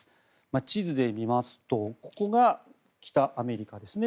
地図で見ますとここが北アメリカですね。